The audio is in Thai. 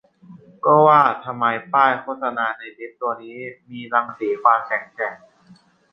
ก็ว่าทำไมป้ายโฆษณาในลิฟต์ตัวนี้มีรังสีความแข็งแกร่ง